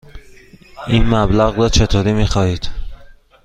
این مبلغ را چطوری می خواهید؟